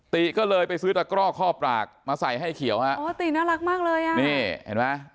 ติก็เลยไปซื้อตะกร่อข้อปากมาใส่ให้เขียวฮะโอ้ติน่ารักมากเลยอ่ะนี่เห็นไหม